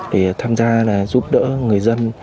để tham gia giúp đỡ người dân